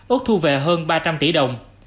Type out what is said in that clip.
ước thu về hơn ba trăm linh tỷ đồng